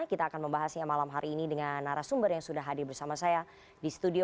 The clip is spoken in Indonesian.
kita akan membahasnya malam hari ini dengan narasumber yang sudah hadir bersama saya di studio